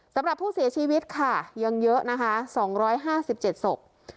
สำหรับผู้เสียชีวิตค่ะยังเยอะนะคะสองร้อยห้าสิบเจ็ดศพ